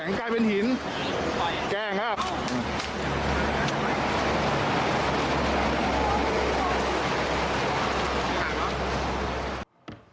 กลายเป็นหินแกล้งครับ